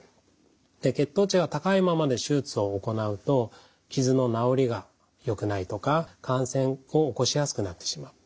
血糖値が高いままで手術を行うと傷の治りがよくないとか感染を起こしやすくなってしまう。